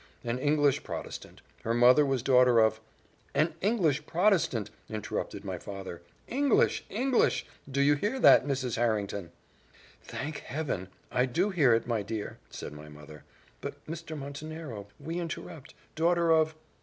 "An English Protestant: her mother was daughter of " "An English Protestant!" interrupted my father, "English! English! Do you hear that, Mrs. Harrington?" "Thank Heaven! I do hear it, my dear," said my mother. "But, Mr. Montenero, we interrupt daughter of